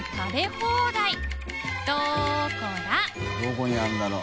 どこにあるんだろう？